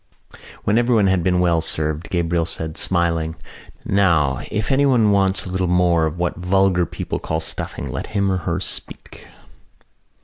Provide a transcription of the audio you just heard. When everyone had been well served Gabriel said, smiling: "Now, if anyone wants a little more of what vulgar people call stuffing let him or her speak."